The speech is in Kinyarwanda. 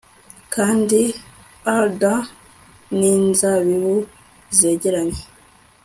Kandi alder ninzabibu zegeranye